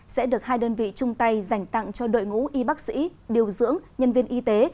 sẽ được hai đơn vị chung tay dành tặng cho đội ngũ y bác sĩ điều dưỡng nhân viên y tế